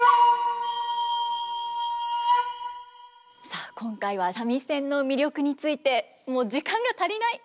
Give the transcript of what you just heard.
さあ今回は三味線の魅力についてもう時間が足りない！